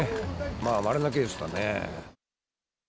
まあ、まれなケースだね。